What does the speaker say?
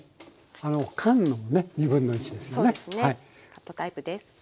カットタイプです。